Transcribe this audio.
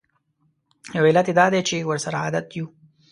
یو علت یې دا دی چې ورسره عادت یوو.